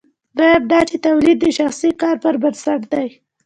دویم دا چې تولید د شخصي کار پر بنسټ دی.